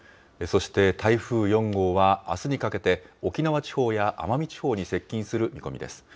そして台風４号はあすにかけて、沖縄地方や奄美地方に接近する見込みです。